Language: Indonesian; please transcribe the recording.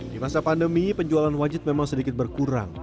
di masa pandemi penjualan wajit memang sedikit berkurang